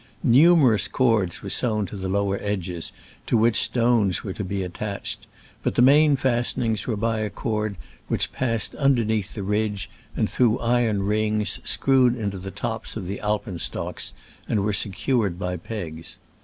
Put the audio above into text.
Numerous cords were sewn to the lower edges, to which stones were to be attached, but the main fastenings were by a cord which passed under neath the ridge and through iron rings screwed into the tops of the alpenstocks, and were secured by pegs.